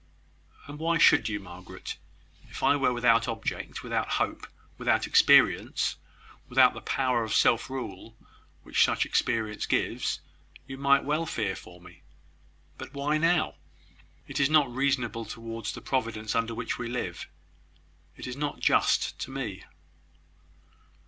"And why should you, Margaret? If I were without object, without hope, without experience, without the power of self rule which such experience gives, you might well fear for me. But why now? It is not reasonable towards the Providence under which we live; it is not just to me."